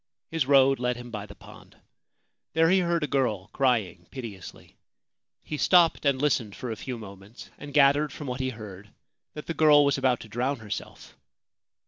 His road led him by the pond. There he heard a girl crying piteously. He stopped and listened for a few moments, and gathered from what he heard that the girl was about to drown herself.